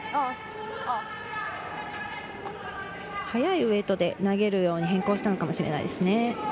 速いウエートで投げるよう変更したのかもしれないです。